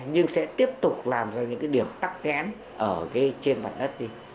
nhưng sẽ tiếp tục làm ra những cái điểm tắc kén ở cái trên bản đất đi